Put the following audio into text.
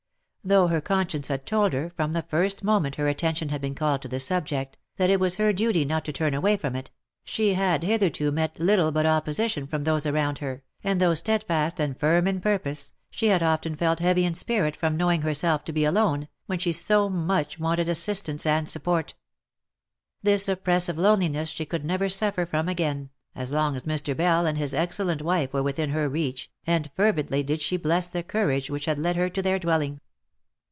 Though her con science had told her, from the first moment her attention had been called to the subject, that it was her duty not to turn away from it, she had hitherto met little but opposition from those around her, and though steadfast and firm in purpose, she had often felt heavy in spirit from knowing herself to be alone, when she so much wanted assistance and support. This oppressive loneliness she could never suffer from again, as long as Mr. Bell and his excellent wife were within her reach, and fervently did she bless the courage which had led her to their dwelling.